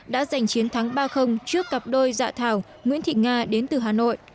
đã giành chiến thắng ba trước cặp đôi dạ thảo nguyễn thị nga đến từ hà nội